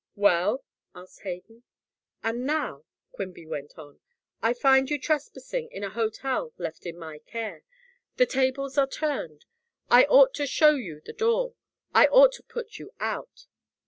"Well?" asked Hayden. "And now," Quimby went on, "I find you trespassing in a hotel left in my care the tables are turned. I ought to show you the door. I ought to put you out."